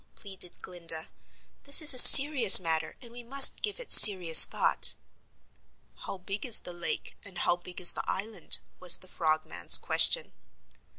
pleaded Glinda. "This is a serious matter, and we must give it serious thought." "How big is the lake and how big is the island?" was the Frogman's question.